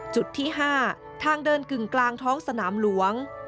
จุดที่๕ทางเดินกึ่งกลางท้องสนามหลวง